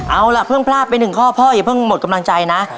เอาล่ะเพิ่งพลาดไปหนึ่งข้อพ่ออย่าเพิ่งหมดกำลังใจนะ